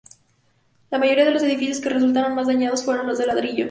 La mayoría de los edificios que resultaron más dañados fueron los de ladrillo.